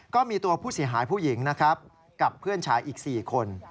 ก็มีตัวผู้เสียหายผู้หญิงนะครับกับเพื่อนชายอีก๔คน